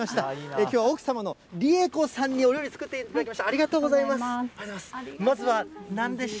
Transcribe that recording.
きょうは奥様の理英子さんにお料理作っていただきました。